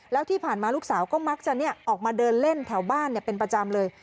แล้วที่ผ่านมาลูกสาวก็มักจะออกมาเดินเล่นแถวบ้านเป็นประจำเลย